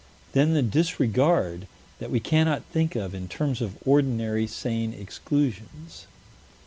Then the disregard that we cannot think of in terms of ordinary, sane exclusions.